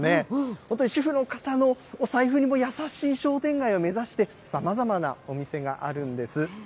本当に主婦の方のお財布にも優しい商店街を目指して、さまざまなお店があるんです。